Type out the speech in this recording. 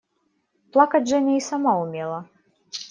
Плакать Женя и сама умела.